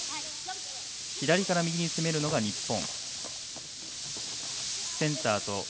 左から右に攻めるのが日本。